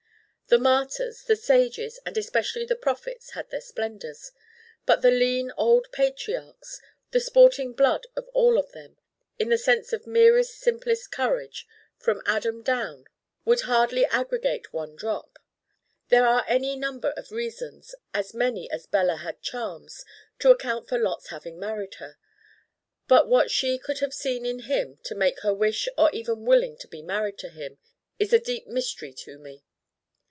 The martyrs, the sages and especially the prophets had their splendors. But the lean old patriarchs The sporting blood of all of them in the sense of merest simplest courage from Adam down, would hardly aggregate one drop. There are any number of reasons as many as Bella had charms to account for Lot's having married her. But what she could have seen in him to make her wish or even willing to be married to him is a deep mystery to me.